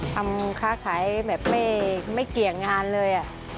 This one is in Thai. ค้าขายแบบไม่เกี่ยงงานเลย